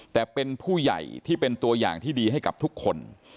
แต่เป็นผู้ใหญ่ที่เป็นตัวอย่างที่ดีให้กับทุกคน